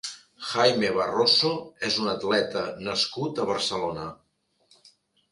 Jaime Barroso és un atleta nascut a Barcelona.